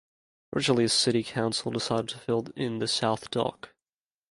Originally the city council decided to fill in the South Dock.